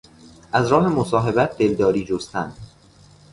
از راه مصاحبت دلداری جستن